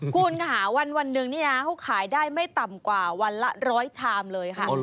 คุณค่ะวันหนึ่งนี่นะเขาขายได้ไม่ต่ำกว่าวันละ๑๐๐ชามเลยค่ะ